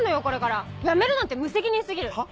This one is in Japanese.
これから辞めるなんて無責任過ぎる！